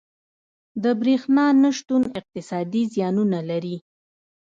• د برېښنا نه شتون اقتصادي زیانونه لري.